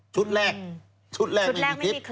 ชุดแรกชุดแรกไม่มีคลิป